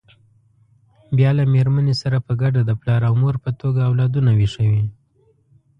بیا له مېرمنې سره په ګډه د پلار او مور په توګه اولادونه ویښوي.